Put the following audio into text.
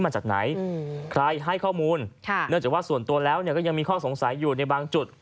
มาจากไหนใครให้ข้อมูลเนื่องจากว่าส่วนตัวแล้วก็ยังมีข้อสงสัยอยู่ในบางจุด